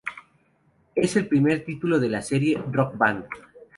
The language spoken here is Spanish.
Es el primer título de la serie "Rock Band".